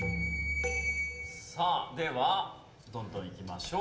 さあではどんどんいきましょう。